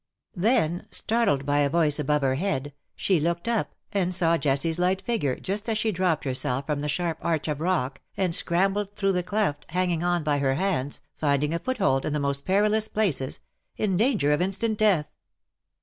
Then, startled by a voice above her head, she looked up, and saw Jessie's light figure just as she dropped herself over the sharp arch of rock, and scrambled through the cleft, hanging on by her hands, finding a foothold in the most perilous places — in danger of instant death.